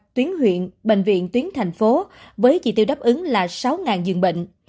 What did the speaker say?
tuyến huyện bệnh viện tuyến thành phố với chỉ tiêu đáp ứng là sáu giường bệnh